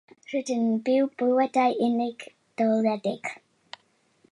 Rydym yn byw bywydau unigoledig.